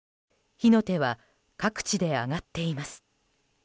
火の手は各地で上がっています。